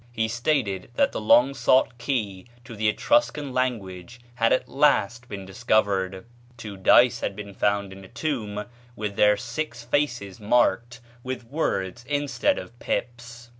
He stated that the long sought key to the Etruscan language had at last been discovered. Two dice had been found in a tomb, with their six faces marked with words instead of pips.